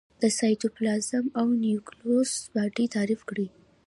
د سایتوپلازم او نیوکلیوس باډي تعریف کړي.